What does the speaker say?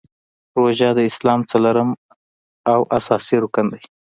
روژه د اسلام څلورم او اساسې رکن دی .